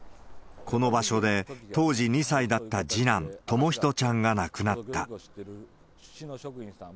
この場所で、当時２歳だった次男、智仁ちゃんが亡くなった。